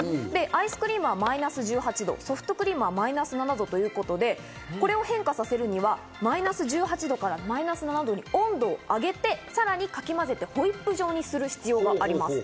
アイスクリームはマイナス１８度、ソフトクリームはマイナス７度ということで、これを変化させるには、マイナス１８度からマイナス７度に温度を上げて、さらにかき混ぜてホイップ状にする必要があります。